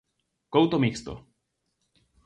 Couto mixto.